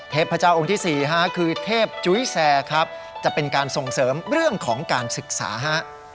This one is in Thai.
พระเจ้าองค์ที่๔คือเทพจุ้ยแซร์ครับจะเป็นการส่งเสริมเรื่องของการศึกษาฮะ